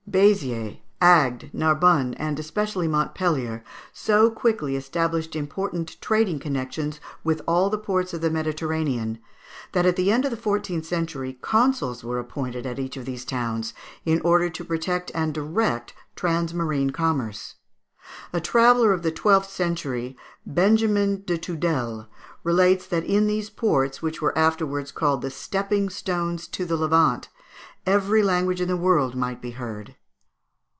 Béziers, Agde, Narbonne, and especially Montpellier, so quickly established important trading connections with all the ports of the Mediterranean, that at the end of the fourteenth century consuls were appointed at each of these towns, in order to protect and direct their transmarine commerce. A traveller of the twelfth century, Benjamin de Tudèle, relates that in these ports, which were afterwards called the stepping stones to the Levant, every language in the world might be heard.